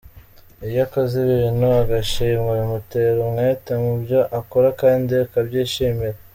Iyo akoze ibintu agashimwa bimutera umwete mu byo akora kandi akabyishimira.